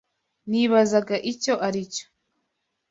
Nibazaga icyo aricyo.